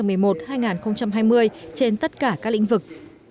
giai đoạn hai nghìn một mươi một hai nghìn hai mươi trên tất cả các lĩnh vực